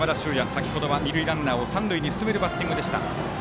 先程は二塁ランナーを三塁に進めるバッティング。